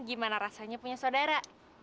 gimana rasanya punya saudara